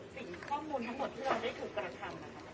สิ่งข้อมูลทั้งหมดที่เราได้ถูกกระทำ